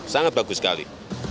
sangat bagus sekali